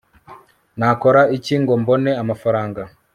nakora iki ngo mbone amafaranga